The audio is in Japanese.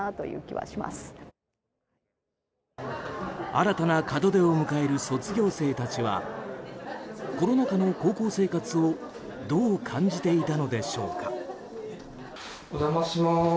新たな門出を迎える卒業生たちはコロナ禍の高校生活をどう感じていたのでしょうか。